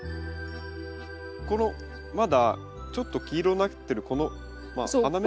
このまだちょっと黄色になってるこの花芽っていうか。